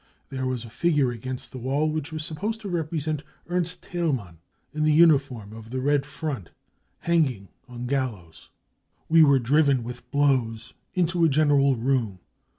There was a figure against the wall which was supposed to represent Ernst Thaelmann, in the uniform of the Red Front, hanging on a gallows. 44 We were driven with blows into a general room.